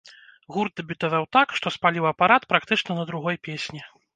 Гурт дэбютаваў так, што спаліў апарат практычна на другой песні.